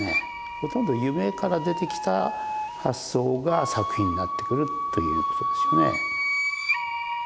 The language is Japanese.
ほとんど夢から出てきた発想が作品になってくるということですよね。